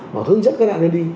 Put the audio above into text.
mà hướng dẫn các đại nhân đi